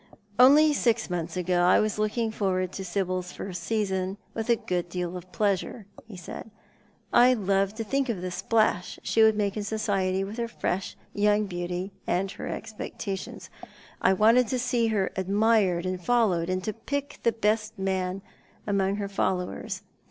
"Only six months ago I was looking forward to Sibyl's first season with a good deal of pleasure," he said. "I loved to think of the splash she would make in society with her fresh young beauty, and her expectations. I wanted to see her admired and followed, and to pick the best man among her followers.